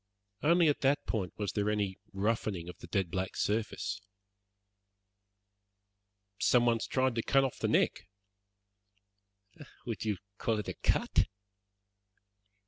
Only at that point was there any roughening of the dead black surface. "Someone has tried to cut off the neck." "Would you call it a cut?"